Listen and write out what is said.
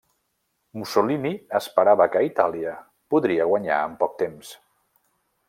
Mussolini esperava que Itàlia podria guanyar en poc temps.